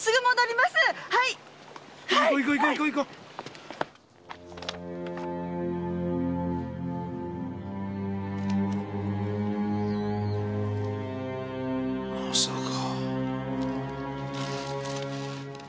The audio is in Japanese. まさか。